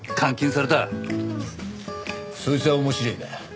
そいつは面白えな。